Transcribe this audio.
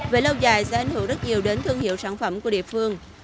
về lâu dài sẽ ảnh hưởng rất nhiều đến thương hiệu sản phẩm của địa phương